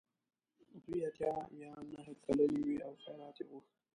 دوی اته یا نهه کلنې وې او خیرات یې غوښت.